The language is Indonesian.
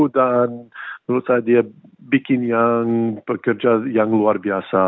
dan menurut saya dia bikin yang pekerja yang luar biasa